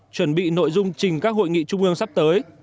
chuẩn bị nội dung trình các hội nghị trung ương sắp tới